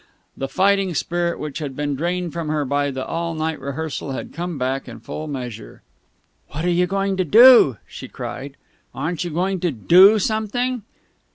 The fighting spirit which had been drained from her by the all night rehearsal had come back in full measure. "What are you going to do?" she cried. "Aren't you going to do something?"